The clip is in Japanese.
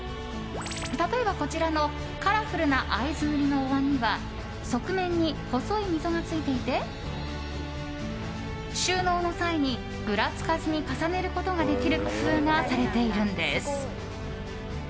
例えば、こちらのカラフルな会津塗のおわんには側面に細い溝がついていて収納の際に、ぐらつかずに重ねることができる工夫がされているんです。